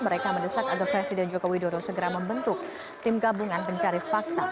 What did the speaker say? mereka mendesak agar presiden joko widodo segera membentuk tim gabungan pencari fakta